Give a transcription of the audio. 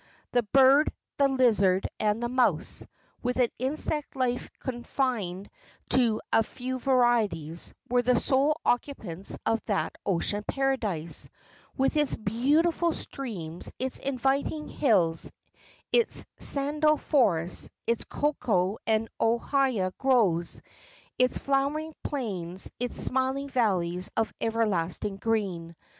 The bird, the lizard and the mouse, with an insect life confined to few varieties, were the sole occupants of that ocean paradise, with its beautiful streams, its inviting hills, its sandal forests, its cocoa and ohia groves, its flowering plains, its smiling valleys of everlasting green.